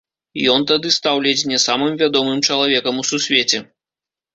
Ён тады стаў ледзь не самым вядомым чалавекам у сусвеце.